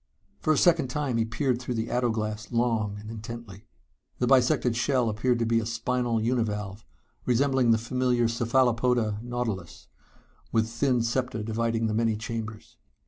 For a second time he peered through the ato glass long and intently. The bisected shell appeared to be a spinal univalve, resembling the familiar cephalopoda, nautilus, with thin septa dividing the many chambers.